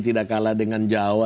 tidak kalah dengan jawa